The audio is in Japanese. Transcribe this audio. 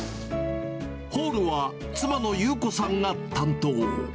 ホールは妻の裕子さんが担当。